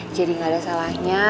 jadi gak ada salahnya